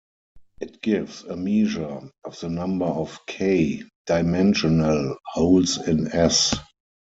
It gives a measure of the number of "k"-dimensional holes in "S".